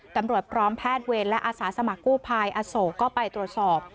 ตำรวจพร้อมแพทย์เวรและอาสาสมัครกู้ภัยอโศกก็ไปตรวจสอบ